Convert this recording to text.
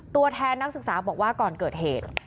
ตัวแทนนักศึกษาบอกว่าก่อนเกิดเหตุ